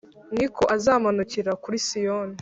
ni ko azamanukira kuri Siyoni,